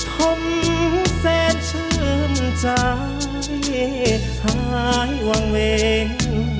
ผมแสนชื่นใจหายวางเวง